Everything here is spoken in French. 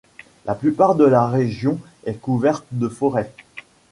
La plupart de la région est couverte de forêt.